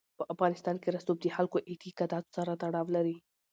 په افغانستان کې رسوب د خلکو اعتقاداتو سره تړاو لري.